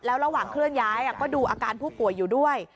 ระหว่างเคลื่อนย้ายก็ดูอาการผู้ป่วยอยู่ด้วย